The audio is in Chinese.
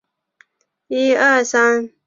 他的热情依旧维持在民族志学术上。